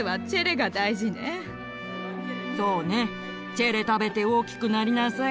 チェレ食べて大きくなりなさい。